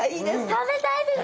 食べたいです！